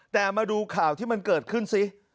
แต่มาดูข่าวที่มันเกิดขึ้นซิ